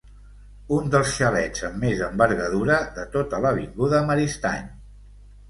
Un dels xalets amb més envergadura de tota l'avinguda Maristany.